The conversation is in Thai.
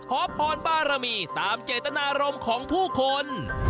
ขอพรบารมีตามเจตนารมณ์ของผู้คน